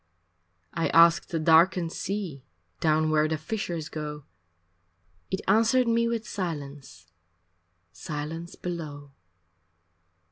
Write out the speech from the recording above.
I asked the darkened sea Down where the fishers go It answered me with silence, Silence below.